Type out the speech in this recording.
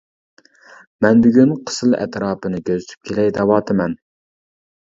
مەن بۈگۈن قىسىل ئەتراپىنى كۆزىتىپ كېلەي دەۋاتىمەن.